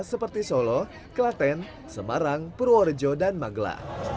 seperti solo kelaten semarang purworejo dan magela